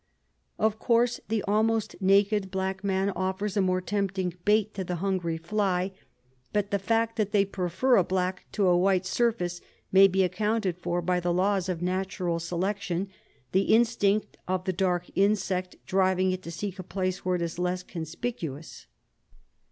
Of course the almost naked black man offers a more tempting bait to the hungry fly, but the fact that they prefer a black to a white surface may be accounted for by the laws of natural selection, the instinct of the dark insect driving it to seek a place where it is less conspicuous.